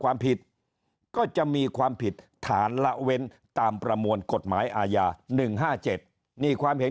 ความผิดก็จะมีความผิดฐานละเว้นตามประมวลกฎหมายอาญา๑๕๗นี่ความเห็น